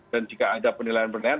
jika ada penilaian penilaian